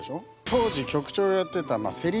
当時局長をやってた芹沢鴨。